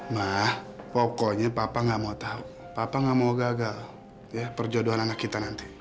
mah pokoknya papa gak mau tahu papa nggak mau gagal ya perjodohan anak kita nanti